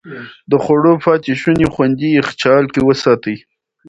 د خوړو پاتې شوني خوندي يخچال کې وساتئ.